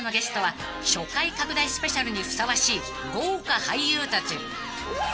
スペシャルにふさわしい豪華俳優たち］